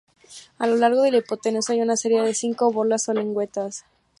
A lo largo de la hipotenusa hay una serie de cinco borlas o lengüetas.